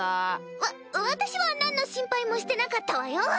わ私は何の心配もしてなかったわよ！